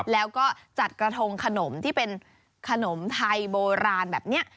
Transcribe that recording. แล้วก็จัดกระทงขนมที่เป็นขนมไทยโบราณแบบนี้